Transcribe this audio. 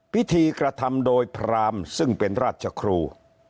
พิธีกระทำโดยพรามซึ่งเป็นราชครู